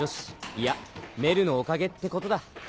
いやメルのおかげってことだ。